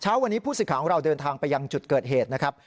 เช้าวันนี้ผู้สื่อข่าวของเราเดินทางไปยังจุดเกิดเหตุนะครับ